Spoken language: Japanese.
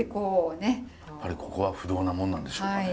やっぱりここは不動なもんなんでしょうかね。